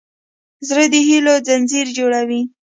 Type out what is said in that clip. زړه د هيلو ځنځیر جوړوي.